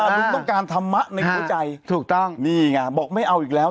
ลุงต้องการธรรมะในหัวใจถูกต้องนี่ไงบอกไม่เอาอีกแล้ว